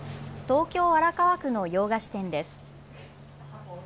東京荒川区の洋菓子店です。